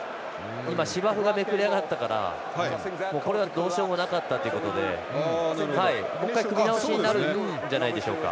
今、芝生がめくれ上がったからこれは、どうしようもなかったということでもう１回、組み直しになるんじゃないでしょうか。